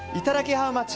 ハウマッチ。